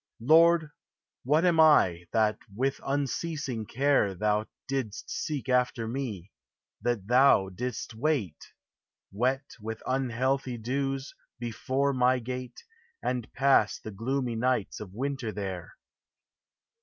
Lord, what am I, that, with unceasing care, Thou didst seek after me, that Thou didst wait, Wet with unhealthy dews, before my gate, And pass the gloomy nights of winter there?